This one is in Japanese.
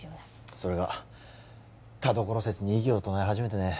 それが田所説に異議を唱え始めてね